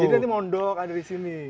jadi nanti mondok ada di sini